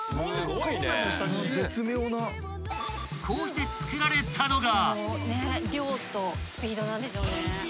［こうしてつくられたのが］